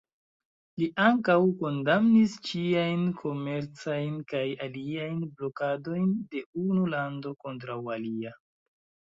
Li ankaŭ kondamnis ĉiajn komercajn kaj aliajn blokadojn de unu lando kontraŭ alia.